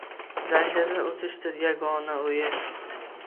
Zanjirni uzishdir yagona o’yi.